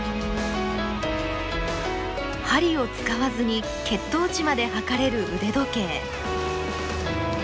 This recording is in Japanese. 針を使わずに血糖値まで測れる腕時計。